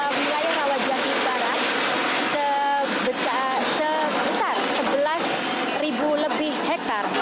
ada apa bisa kami kabarkan bahwa wilayah rawajati barat sebesar sebelas ribu lebih hektare